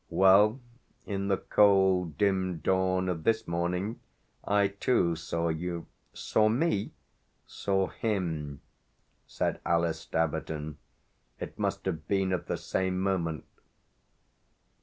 Well, in the cold dim dawn of this morning I too saw you." "Saw me ?" "Saw him," said Alice Staverton. "It must have been at the same moment."